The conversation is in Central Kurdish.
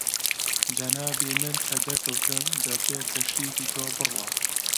جەنابی من کە دەرکەوتم، دەبێ تەشریفی تۆ بڕوا